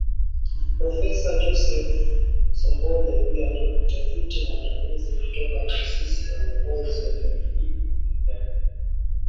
Profesa Joseph Semboja pia ni Mtafiti Mwandamizi kutoka taasisi ya Uongozi